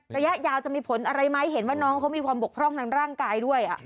ระยะยาวจะมีผลอะไรไหมเห็นว่าน้องเขามีความบกพร่องทางร่างกายด้วย